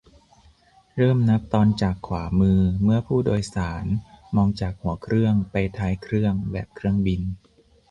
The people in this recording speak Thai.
- เริ่มนับตอนจากขวามือเมื่อผู้โดยสารมองจากหัวเครื่องไปท้ายเครื่อง แบบเครื่องบิน